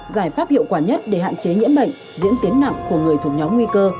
giải pháp hiệu quả nhất để hạn chế nhiễm bệnh diễn tiến nặng của người thuộc nhóm nguy cơ